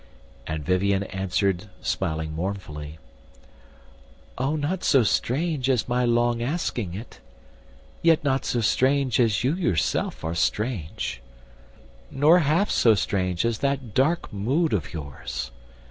And Vivien answered smiling mournfully: "O not so strange as my long asking it, Not yet so strange as you yourself are strange, Nor half so strange as that dark mood of yours.